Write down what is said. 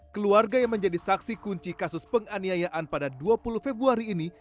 keluarga yang menjadi saksi kunci kasus penganiayaan pada dua puluh februari ini